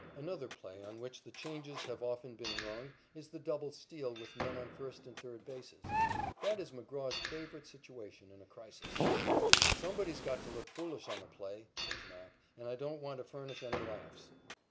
Another play on which the changes have often been rung is the double steal with men on first and third bases. That is McGraw's favorite situation in a crisis. "Somebody's got to look foolish on the play," says "Mac," "and I don't want to furnish any laughs."